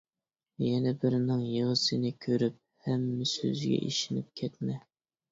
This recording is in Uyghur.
يەنە بىرىنىڭ يىغىسىنى كۆرۈپ ھەممە سۆزىگە ئىشىنىپ كەتمە.